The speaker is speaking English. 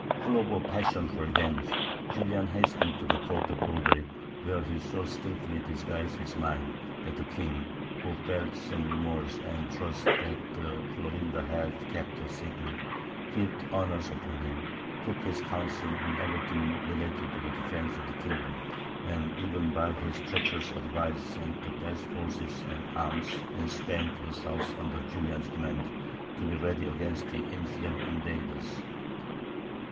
Full of a passion for revenge, Julian hastened to the Court of Roderick, where he so skilfully disguised his mind that the king, who felt some remorse and trusted that Florinda had kept the secret, heaped honours upon him, took his counsel in everything relating to the defence of the kingdom, and even by his treacherous advice sent the best horses and arms in Spain to the south under Julian's command, to be ready against the infidel invaders.